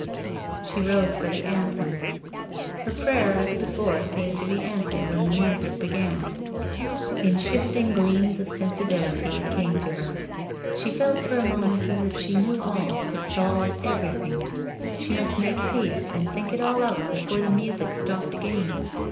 She rose for the anthem. Her prayer as before seemed to be answered when the music began. In shifting gleams 284 WHITE ROSE OF WEARY LEAF of sensibility it came to her; she felt for a moment as if she knew all, could solve everything. She must make haste and think it all out before the music stopped again.